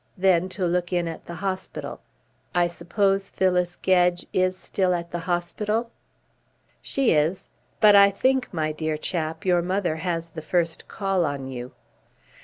Then to look in at the hospital. I suppose Phyllis Gedge is still at the hospital?" "She is. But I think, my dear chap, your mother has the first call on you."